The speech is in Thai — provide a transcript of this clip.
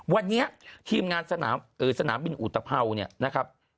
วันนี้ทีมงานสนามบินอุตภัวเนี่ยนะครับ